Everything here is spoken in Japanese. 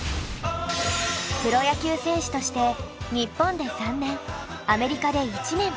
プロ野球選手として日本で３年アメリカで１年プレーしていました。